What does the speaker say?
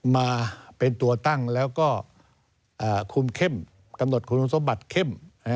มาเป็นตัวตั้งแล้วก็คุมเข้มกำหนดคุณสมบัติเข้ม